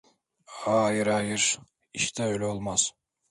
Hayır, hayır, hiç de öyle olmaz.